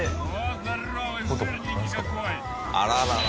あららら。